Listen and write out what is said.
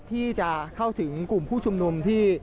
ที่จะเข้าถึงกลุ่มผู้ชุมนุมที่